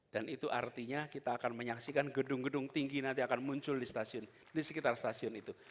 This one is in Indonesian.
dan itu artinya kita akan menyaksikan gedung gedung tinggi nanti akan muncul di sekitar stasiun itu